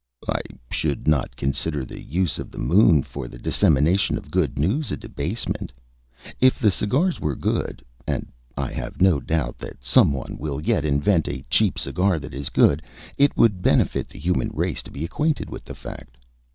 "I should not consider the use of the moon for the dissemination of good news a debasement. If the cigars were good and I have no doubt that some one will yet invent a cheap cigar that is good it would benefit the human race to be acquainted with that fact.